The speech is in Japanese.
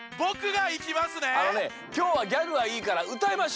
あのねきょうはギャグはいいからうたいましょう。